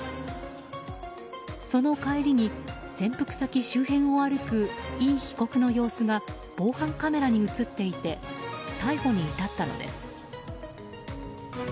その帰りに、潜伏先周辺を歩くイ被告の様子が防犯カメラに映っていて逮捕に至ったのです。